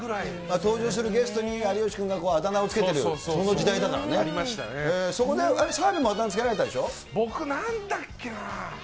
登場するゲストに、有吉君があだ名を付けてる、そこで澤部もあだ名付けられ僕、なんだっけな。